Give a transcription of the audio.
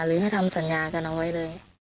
หรือให้ทำสัญญากันเอาไว้เลย